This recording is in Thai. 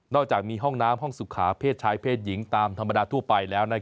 อกจากมีห้องน้ำห้องสุขาเพศชายเพศหญิงตามธรรมดาทั่วไปแล้ว